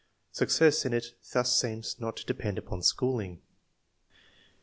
Success in it is thus seen not to depend upon schooling.